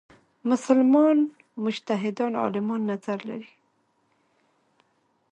مسلمان مجتهدان عالمان نظر لري.